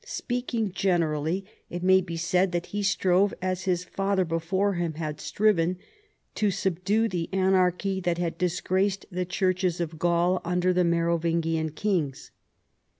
Speaking generally, it may be said that he strove, as his father before him had striven, to subdue the anarch V that had disgraced the churches of Gaul under the Merovingian kings.